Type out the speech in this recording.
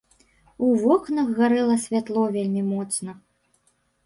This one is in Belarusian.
У вокнах гарэла святло вельмі моцна.